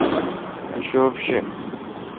ااشوبش